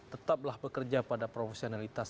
tetaplah bekerja pada profesionalitas